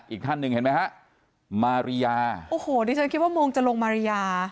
อีกท่านหนึ่งเห็นไหมฮะมาริยาโอ้โหดิฉันคิดว่าโมงจะลงมาริยา